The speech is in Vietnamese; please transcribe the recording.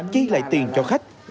chi lại tiền cho khách